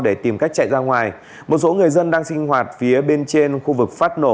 để tìm cách chạy ra ngoài một số người dân đang sinh hoạt phía bên trên khu vực phát nổ